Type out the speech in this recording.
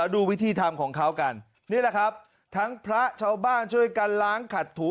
ดูวิธีทำของเขากันนี่แหละครับทั้งพระชาวบ้านช่วยกันล้างขัดถู